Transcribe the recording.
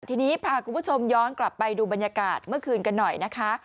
ทีนี้พาคุณผู้ชมย้อนกลับไปดูบรรยากาศเมื่อคืนกันหน่อยนะคะ